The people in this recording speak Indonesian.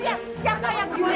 kayak itu sakit flu